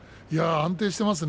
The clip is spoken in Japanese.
安定していますね